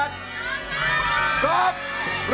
กลับร้องได้